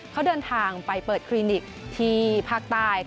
เขาเดินทางไปเปิดคลินิกที่ภาคใต้